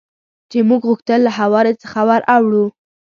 چې موږ غوښتل له هوارې څخه ور اوړو.